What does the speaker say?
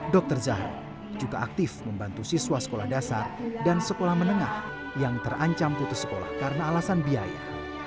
dokter zahra juga aktif membantu siswa sekolah dasar dan sekolah menengah yang terancam putus sekolah karena alasan biaya